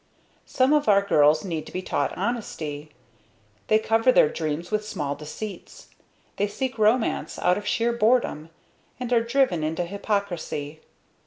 Some of our girls need to be taught honesty. They cover their dreams with small deceits. They seek romance out of sheer boredom, and are driven into hypocrisy.